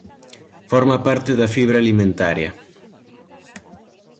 Forma parte da fibra alimentaria.